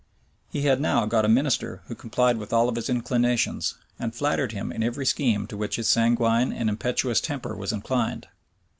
He had now got a minister who complied with all his inclinations, and flattered him in every scheme to which his sanguine and impetuous temper was inclined.